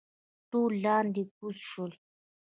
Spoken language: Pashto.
ټول لاندې کوز شول.